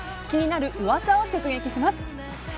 気になる噂を直撃します。